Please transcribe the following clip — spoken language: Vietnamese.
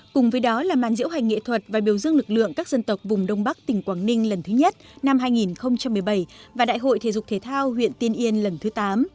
cùng với đó là màn diễu hành nghệ thuật và biểu dương lực lượng các dân tộc vùng đông bắc tỉnh quảng ninh lần thứ nhất năm hai nghìn một mươi bảy và đại hội thể dục thể thao huyện tiên yên lần thứ tám